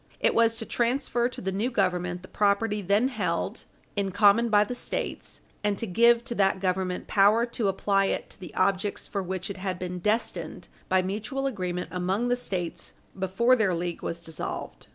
It was to transfer to the new Government the property then held in common by the States, and to give to that Government power to apply it to the objects for which it had been destined by mutual agreement among the States before their league was dissolved.